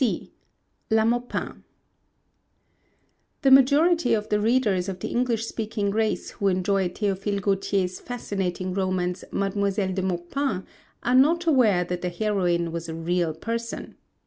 C. LA MAUPIN The majority of the readers of the English speaking race who enjoy Théophile Gautier's fascinating romance Mademoiselle de Maupin are not aware that the heroine was a real person.